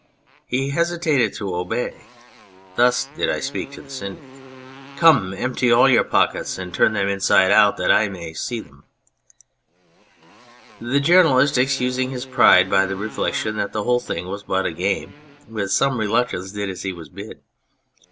" He hesitates to obey (thus did I speak to the Syndic). Come, empty all your pockets and turn them inside out that I may see them." The journalist, excusing his pride by the reflection that the whole thing was but a game, with some reluctance did as he was bid.